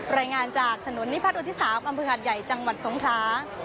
รายงานจากถนนนิพัทอุทธิษศาสตร์อำเภอถัดใหญ่จังหวัดทรงคลา